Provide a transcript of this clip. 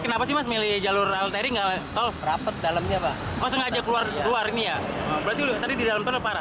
kondisi ini diperparah dengan banyaknya pemudik sepeda motor yang kedua kalinya